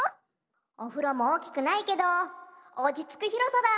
おふろもおおきくないけどおちつくひろさだ。